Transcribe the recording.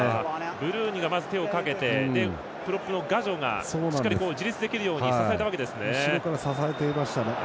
ブルーニが手をかけてプロップのガジョが自立できるように支えたんですね。